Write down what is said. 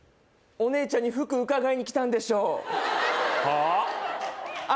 お姉ちゃんに服うかがいにきたんでしょうはあ？